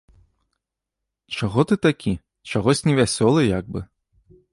Чаго ты такі, чагось невясёлы як бы?